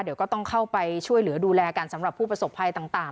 เดี๋ยวก็ต้องเข้าไปช่วยเหลือดูแลกันสำหรับผู้ประสบภัยต่าง